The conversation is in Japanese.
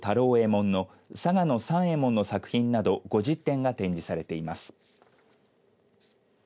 右衛門の佐賀の三右衛門の作品など５０点が展示されています。